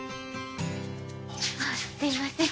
すいません